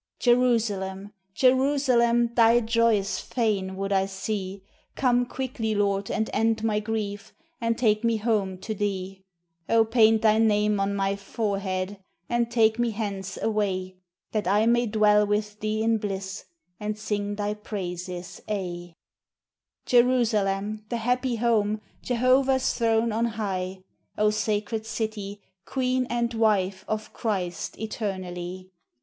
Jerusalem! Jerusalem! Thy joys fain would I see; Come quickly, Lord, and end my grief, And take me home to Thee; Oh! paint Thy name on my forehead, And take me hence away, That I may dwell with Thee in bliss, And sing Thy praises aye. Jerusalem, the happy home Jehovah's throne on high! O sacred city, queen, and wife Of Christ eternally!